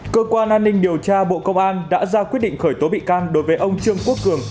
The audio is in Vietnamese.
cơ quan an ninh điều tra bộ công an đã ra quyết định khởi tố bị can đối với ông trương quốc cường